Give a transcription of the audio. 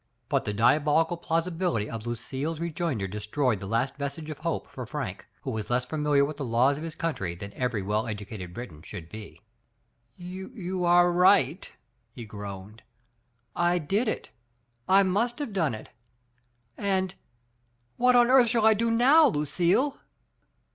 But the diabolical plausibility of Lucille's re joinder destroyed the last vestige of hope for Frank, who was less familiar with the laws of his country than every well educated Briton should be. You are right," he groaned^ "I did it — I must have done it. And — what on earth shall I do noWy Lucille?"